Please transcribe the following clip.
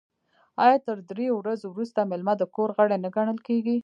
آیا تر دریو ورځو وروسته میلمه د کور غړی نه ګڼل کیږي؟